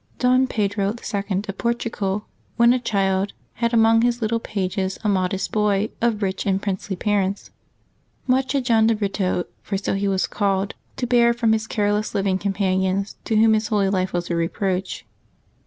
OON Pedro II. of Portugal, when a child, had among his little pages a modest boy of rich and princely parents. Much had John de Britto — for so was he called — to bear from his careless living companions, to whom his holy life was a reproach.